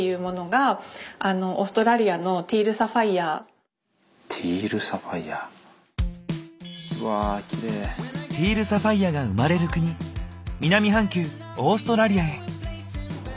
ティールサファイアが生まれる国南半球オーストラリアへ。